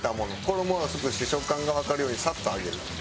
衣を薄くして食感がわかるようにサッと揚げる。